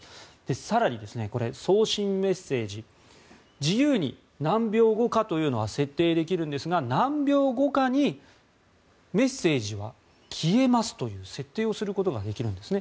更に送信メッセージは自由に何秒後かというのは設定できるんですが何秒後かにメッセージは消えますという設定をすることができるんですね。